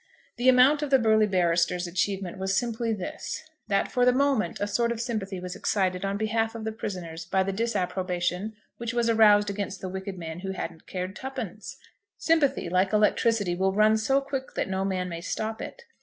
The amount of the burly barrister's achievement was simply this, that for the moment a sort of sympathy was excited on behalf of the prisoners by the disapprobation which was aroused against the wicked man who hadn't cared twopence. Sympathy, like electricity, will run so quick that no man may stop it.